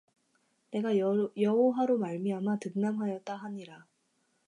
내가 여호와로 말미암아 득남하였다 하니라